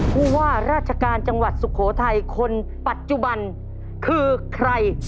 ผู้ว่าราชการจังหวัดสุโขทัยคนปัจจุบันคือใคร